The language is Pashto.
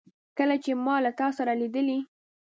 کله چي ما له تا سره لیدلې